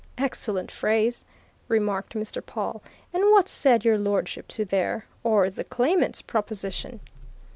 "Excellent phrase!" remarked Mr. Pawle. "And what said your lordship to their or the claimant's proposition?"